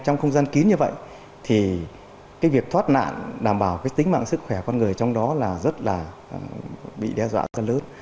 trong không gian kín như vậy thì cái việc thoát nạn đảm bảo cái tính mạng sức khỏe con người trong đó là rất là bị đe dọa rất lớn